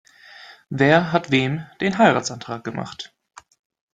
Wer hat wem den Heiratsantrag gemacht?